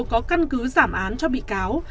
có căn cứ giảm án cho bị cáo